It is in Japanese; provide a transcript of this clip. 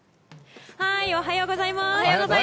おはようございます。